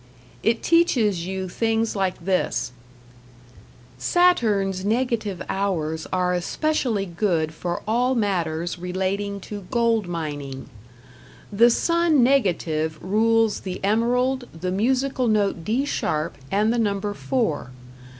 It teaches you things like this: Saturn's negative hours are especially good for all matters relating to gold mining.... The Sun negative rules the emerald, the musical note D sharp, and the number four.